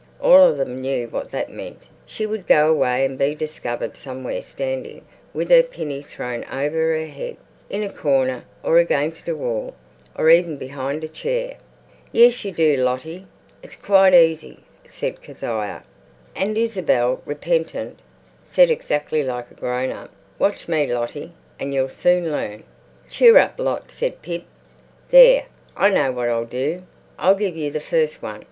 All of them knew what that meant. She would go away and be discovered somewhere standing with her pinny thrown over her head, in a corner, or against a wall, or even behind a chair. "Yes, you do, Lottie. It's quite easy," said Kezia. And Isabel, repentant, said exactly like a grown up, "Watch me, Lottie, and you'll soon learn." "Cheer up, Lot," said Pip. "There, I know what I'll do. I'll give you the first one.